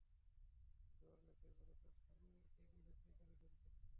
জুয়ার নেশায় পড়ে তাঁর স্বামীও একে একে বিক্রি করে দেন সবকিছু।